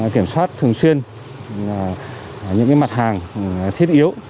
kiểm soát thường xuyên những mặt hàng thiết yếu